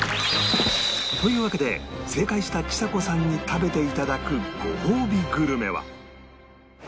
というわけで正解したちさ子さんに食べて頂くごほうびグルメは